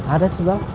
ada sih bang